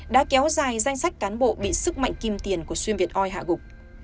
đã kéo dài danh sách cán bộ bị sức mạnh kim tiền của xuyên việt oi hạ gục